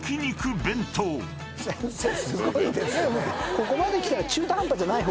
ここまできたら。